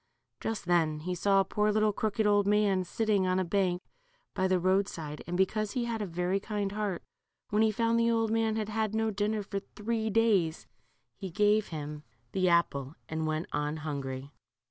Just then he saw a poor little crooked old man sitting on a bank by the road side, and because he had a very kind heart, when he found the old man had had no dinner for three days, he gave him the •' f:/ )/ i ■i LITTLE GUELT. 123 apple, and went on hungry.